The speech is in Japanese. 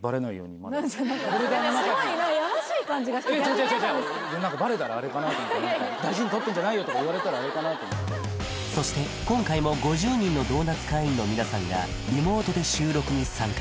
すごいやましい感じがして逆に嫌なんですけど何かバレたらあれかなみたいな大事に取ってんじゃないよとか言われたらあれかなと思ってそして今回も５０人のドーナツ会員の皆さんがリモートで収録に参加